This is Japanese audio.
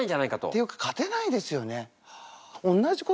っていうか勝てないですよね。